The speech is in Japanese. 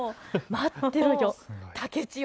待ってろよ竹千代！